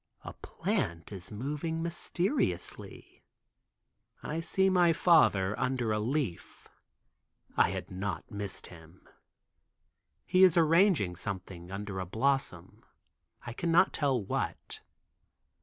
A plant is moving mysteriously. I see my father under a leaf (I had not missed him). He is arranging something under a blossom. I cannot tell what.